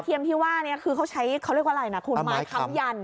ที่ว่าเขาเขายังมีไม้คำญัน